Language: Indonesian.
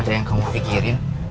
ada yang kamu pikirin